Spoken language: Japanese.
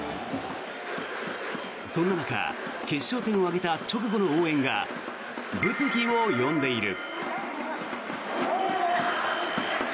そんな中決勝点を挙げた直後の応援が物議を呼んでいる。